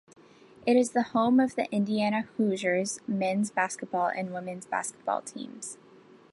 It is the home of the Indiana Hoosiers men's basketball and women's basketball teams.